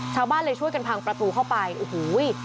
ชาวบ้านเลยช่วยกันพังประตูเข้าไปโอ้โห